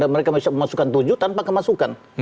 mereka bisa memasukkan tujuh tanpa kemasukan